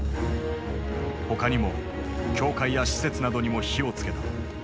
他にも教会や施設などにも火を付けた。